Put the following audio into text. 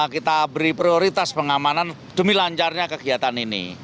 kita beri prioritas pengamanan demi lancarnya kegiatan ini